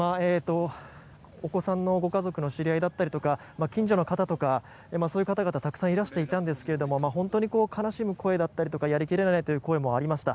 お子さんのご家族の知り合いだったりとか近所の方とかそういう方々たくさんいらしていたんですが本当に悲しむ声だったりやりきれない声もありました。